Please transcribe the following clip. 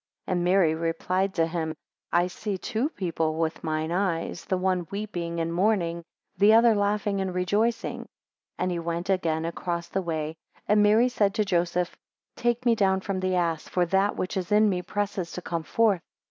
9 And Mary replied to him, I see two people with mine eyes, the one weeping and mourning, the other laughing and rejoicing. 10 And he went again across the way, and Mary said to Joseph, Take me down from the ass, for that which is in me presses to come forth.